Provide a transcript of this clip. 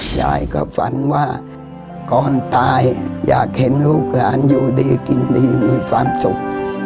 ยายก็ฝันว่าก่อนตายอยากเห็นลูกหลานอยู่ดีกินดีมีความสุข